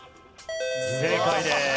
正解です。